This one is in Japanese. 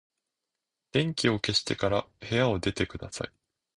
電気を消してから部屋を出てください。